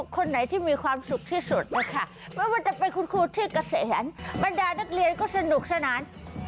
คนไหนที่มีความสุขที่สุดว่ามันเป็นคุณที่เกษร๙๐บาทบรรดานักเรียนก็สนุกสนาน